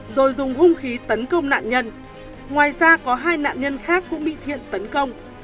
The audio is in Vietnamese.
rồi dùng hung khí tấn công nạn nhân ngoài ra có hai nạn nhân khác cũng bị thiện tấn công